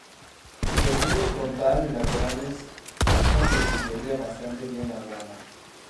Los muros frontal y laterales son de sillería bastante bien labrada.